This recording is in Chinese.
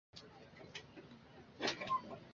低盔膝瓣乌头为毛茛科乌头属下的一个变种。